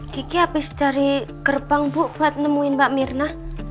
kiki abis dari gerbang bu buat nemuin mbak mirna